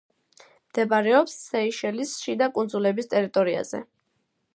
მდებარეობს სეიშელის შიდა კუნძულების ტერიტორიაზე.